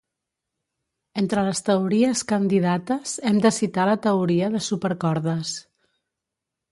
Entre les teories candidates hem de citar la teoria de supercordes.